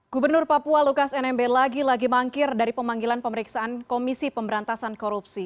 gubernur papua lukas nmb lagi lagi mangkir dari pemanggilan pemeriksaan komisi pemberantasan korupsi